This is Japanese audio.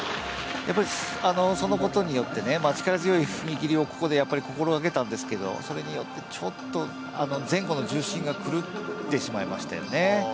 そのことによって力強い踏み切りをここで心がけたんですけどそれによってちょっと前後の重心が狂ってしまいましたよね。